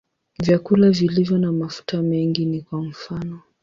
Vyakula vilivyo na mafuta mengi ni kwa mfano.